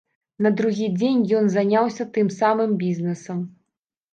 На другі дзень ён заняўся тым самым бізнэсам.